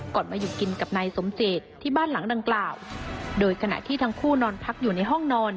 มาอยู่กินกับนายสมเจตที่บ้านหลังดังกล่าวโดยขณะที่ทั้งคู่นอนพักอยู่ในห้องนอน